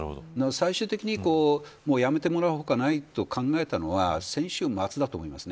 最終的にもう辞めてもらうしかないと考えたのは先週末だと思います。